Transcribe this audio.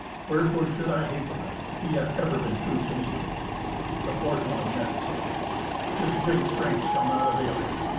Wherefore should I hate the knight? He hath ever been true to me." But Ortwin of Metz said, "His great strength shall not avail him.